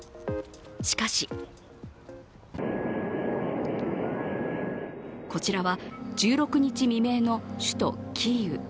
しかしこちらは１６日未明の首都キーウ。